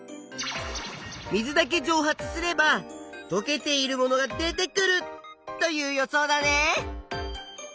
水だけじょう発すればとけているものが出てくるという予想だね。